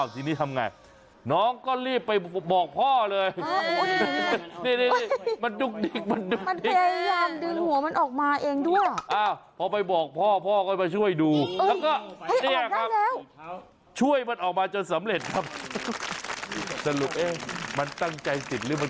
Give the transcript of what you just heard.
ฉันยังไม่ตายหัวติดลูกเอาตัวออกมาหน่อย